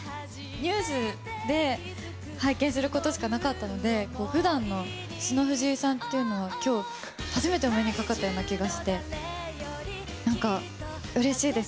ニュースで拝見することしかなかったので、ふだんの素の藤井さんっていうのは、きょう初めてお目にかかったような気がして、なんか、うれしいです。